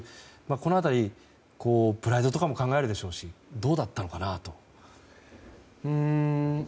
この辺り、プライドとかも考えるでしょうしどうだったのかなと。